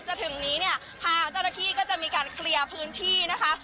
ถึงนี้เนี่ยทางเจ้าหน้าที่ก็จะมีการเคลียร์พื้นที่นะคะ